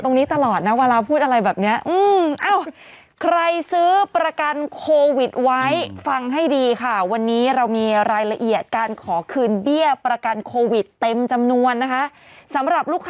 พี่หนุ่มในโซเชียลบอกว่า